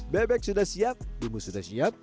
bebek sudah siap bumbu sudah siap